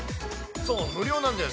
そう、無料なんです。